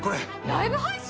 ライブ配信